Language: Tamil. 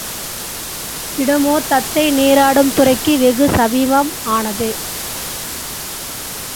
இடமோ தத்தை நீராடும் துறைக்கு வெகு சமீபம்தான்.